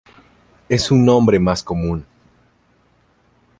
Es un nombre más común".